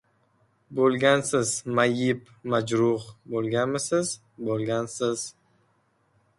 Bo‘lgansiz! Mayib-majruh bo‘lganmisiz? Bo‘lgansiz!